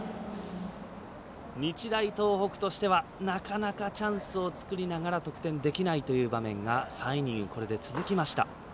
日大東北としてはなかなか、チャンスを作りながら得点できないという場面が３イニング続きました。